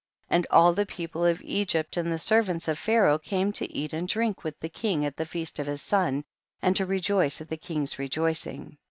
17. And all the people of Egypt and the servants of Pharaoh came to eat and drink with the king at the feast of his son, and to rejoice at the king's rejoicing.